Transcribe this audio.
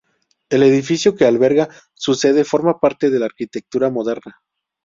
El edificio que alberga su sede forma parte de la arquitectura moderna.